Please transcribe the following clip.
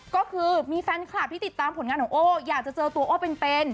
ก็คือมีแฟนคลับที่ติดตามผลงานของโอ้อยากจะเจอตัวโอ้เป็น